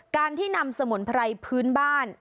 การที่นำสมุนไพรพื้นบ้าน